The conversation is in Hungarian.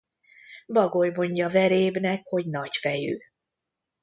Bagoly mondja verébnek, hogy nagyfejű.